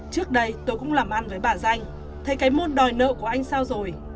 trước đây tôi cũng làm ăn với bà danh thấy cái môn đòi nợ của anh sao rồi